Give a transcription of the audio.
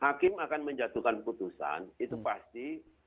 hakim akan menjatuhkan putusan itu pasti